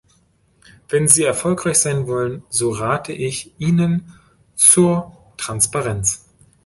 Wenn Sie erfolgreich sein wollen, so rate ich Ihnen zur Transparenz.